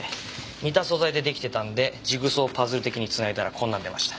似た素材で出来てたんでジグソーパズル的に繋いだらこんなん出ました。